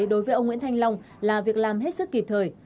đối với ông nguyễn thanh long là việc làm hết sức kịp thời